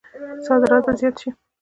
صادرات به زیات شي؟